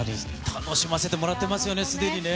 楽しませてもらってますよね、すでにね。